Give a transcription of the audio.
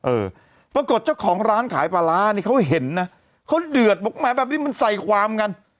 เออปรากฏเจ้าของร้านขายปลาร้านี่เขาเห็นนะเขาเดือดบอกแหมแบบนี้มันใส่ความกัน